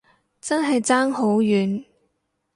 真係爭好遠